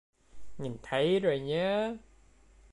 Nhìn thấy rồi nhé